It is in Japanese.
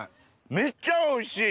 めっちゃおいしい！